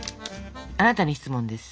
あなたに質問です。